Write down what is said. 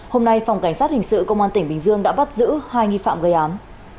hôm nay phòng cảnh sát hình sự công an tỉnh bình dương đã bắt giữ hai nghi phạm gây án